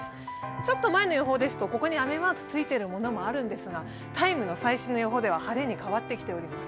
ちょっと前の予報ですと、ここに雨マークがついているものもあるんですが「ＴＩＭＥ，」の最新の予報では晴れに変わってきています。